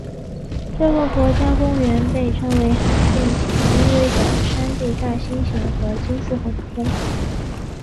这个国家公园被称为罕见且濒危的山地大猩猩和金丝猴的天堂。